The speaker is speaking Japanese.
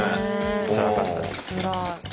つらかったです。